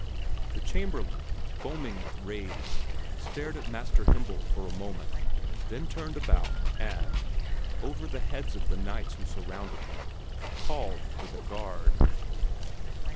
The Chamberlain, foaming with rage, stared at Master Himboldt for a moment, then turned about and, over the heads of the knights who surrounded him, called for the guard.